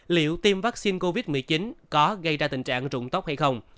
liệu tiêm vaccine covid một mươi chín có gây ra tình trạng rụng tóc hay không